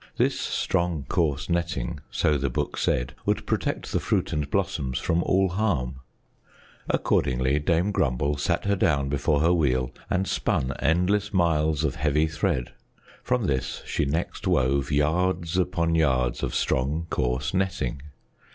This strong, coarse netting, so the book said, would protect the fruit and blossoms from all harm. Accordingly, Dame Grumble sat her down before her wheel and spun endless miles of heavy thread. From this she next wove yards upon yards of strong, coarse netting.